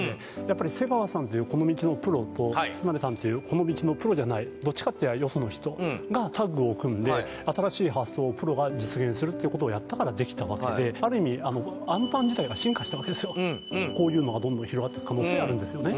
やっぱり瀬川さんというこの道のプロと田辺さんというこの道のプロじゃないどっちかといやよその人がタッグを組んで新しい発想をプロが実現するってことをやったからできたわけである意味こういうのがどんどん広がってく可能性あるんですよね